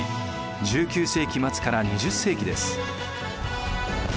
１９世紀末から２０世紀です。